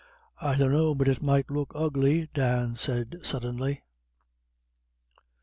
"I dunno but it might look ugly," Dan suddenly said.